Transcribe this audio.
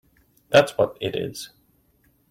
That’s what it is!